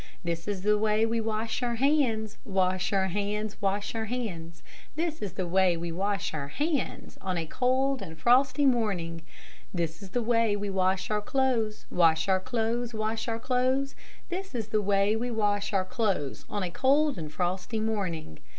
This is the way we wash our hands, Wash our hands, wash our hands, This is the way we wash our hands, On a cold and frosty morning. This is the way we wash our clothes. Wash our clothes, wash our clothes, This is the way we wash our clothes, On a cold and frosty morning.